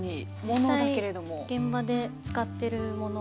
実際現場で使ってるものを。